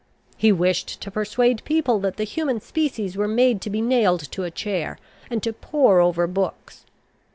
He wished to persuade people that the human species were made to be nailed to a chair, and to pore over books.